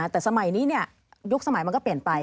แต่สมัยนี้ยุคสมัยมันก็เปลี่ยนไป